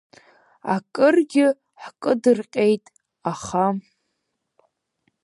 Акыргьы ҳкыдырҟьеит, аха…